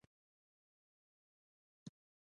مصنوعي ځیرکتیا د زده کړې بهیر منظموي.